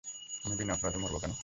আমি বিনা অপরাধে মরব কেন?